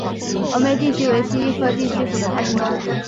峨眉地蜥为蜥蜴科地蜥属的爬行动物。